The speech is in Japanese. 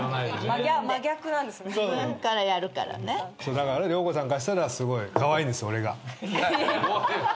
だからね良子さんからしたらすごいカワイイんです俺が。